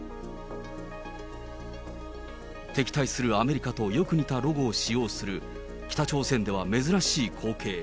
敵対するアメリカとよく似たロゴを使用する北朝鮮では珍しい光景。